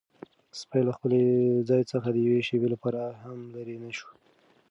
سپی له خپل ځای څخه د یوې شېبې لپاره هم لیرې نه شو.